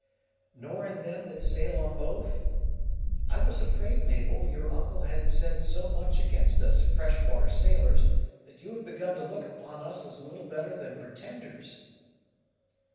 "Nor in them that sail on both? I was afraid, Mabel, your uncle had said so much against us fresh water sailors, that you had begun to look upon us as little better than pretenders?"